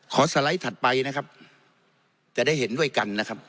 สไลด์ถัดไปนะครับจะได้เห็นด้วยกันนะครับ